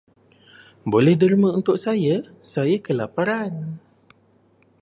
Boleh derma untuk saya, saya kelaparan.